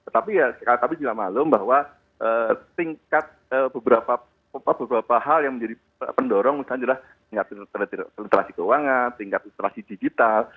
tapi ya sekaligus tidak malu bahwa tingkat beberapa hal yang menjadi pendorong misalnya adalah tingkat instalasi keuangan tingkat instalasi digital